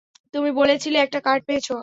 তুমি বলেছিলে, একটা কার্ড পেয়েছ।